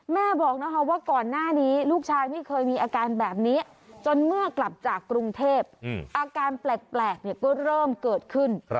แม่บอกว่าก่อนหน้านี้ลูกชายไม่เคยมีอาการแบบนี้จนเมื่อกลับจากกรุงเทพอาการแปลกก็เริ่มเกิดขึ้น